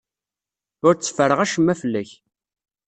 Ur tteffreɣ acemma fell-ak.